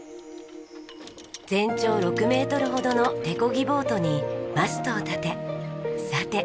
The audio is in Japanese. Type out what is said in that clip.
全長６メートルほどの手漕ぎボートにマストを立てさて